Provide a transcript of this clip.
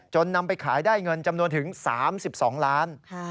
นำไปขายได้เงินจำนวนถึง๓๒ล้าน